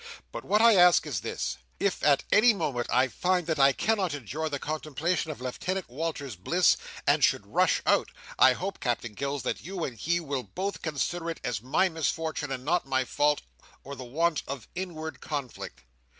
But what I ask is this. If, at any moment, I find that I cannot endure the contemplation of Lieutenant Walters's bliss, and should rush out, I hope, Captain Gills, that you and he will both consider it as my misfortune and not my fault, or the want of inward conflict.